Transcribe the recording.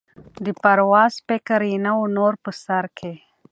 د پرواز فکر یې نه وو نور په سر کي